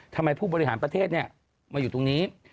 ผู้บริหารประเทศมาอยู่ตรงนี้